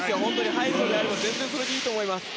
入るのであれば全然それでいいと思います。